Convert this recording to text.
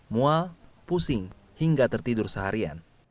mual pusing hingga tertidur seharian